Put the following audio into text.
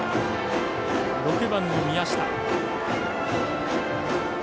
６番の宮下。